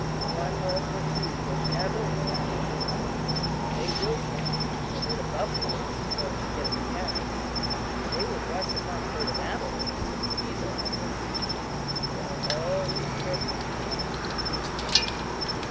One wolf or two will never attack a man. They will stampede a herd of buffaloes in order to get at the calves; they will rush upon a herd of antelopes, for these are helpless; but they are always careful about attacking man."